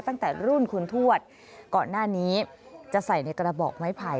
ตั้งแต่รุ่นคุณทวดก่อนหน้านี้จะใส่ในกระบอกไม้ไผ่